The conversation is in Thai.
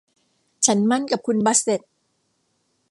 ฉันหมั้นกับคุณบาสเส็ต